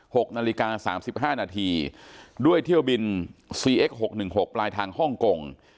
หกนาฬิกาสามสิบห้านาทีด้วยเที่ยวบินซีเอ็กหกหนึ่งหกปลายทางฮ่องกง